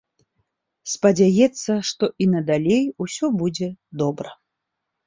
Спадзяецца, што і надалей ўсё будзе добра.